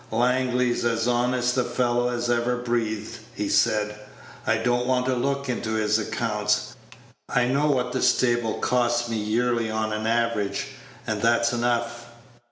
"Langley's as honest a fellow as ever breathed," he said. "I don't want to look into his accounts. I know what the stable costs me yearly on an average, and that's enough."